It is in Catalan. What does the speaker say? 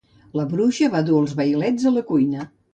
La bruixa va dur els vailets a la cuina.